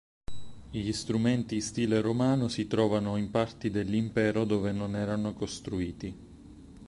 Gli strumenti in stile romano si trovano in parti dell'Impero dove non erano costruiti.